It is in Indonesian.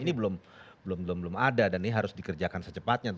ini belum ada dan ini harus dikerjakan secepatnya